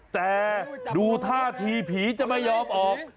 แต่ดูท่าทีผีจะไม่ยอมออก